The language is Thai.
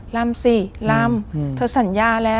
ล้ำสิล้ำ